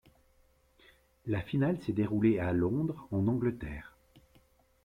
La finale s'est déroulé à Londres en Angleterre.